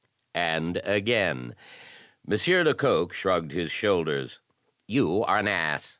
And again: " M. Lecoq shrugged his shoulders. " You are an ass!